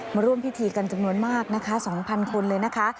มาร่วมพิธีกันจำนวนมากนะคะ๒๐๐คนเลยนะคะ